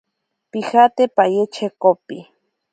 Pijate paye chekopi.